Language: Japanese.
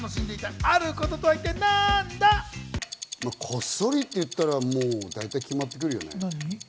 こっそりって言ったらもう大体決まってくるよね。